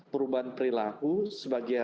perubahan perilaku sebagai